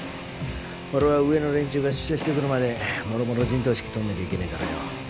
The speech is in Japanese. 俺は上の連中が出社してくるまで諸々陣頭指揮執んなきゃいけねえからよ。